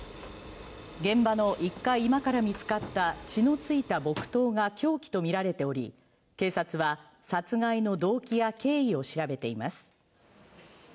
現場の１階居間から見つかった血のついた木刀が凶器とみられており、警察は殺害の動機や経緯を調べています。